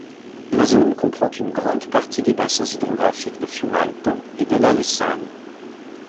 La zone comprend une grande partie des bassins hydrographiques du Fium'Alto et de l'Alesani.